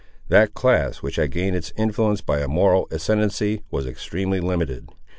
That class, which had gained its influence by a moral ascendency was extremely limited.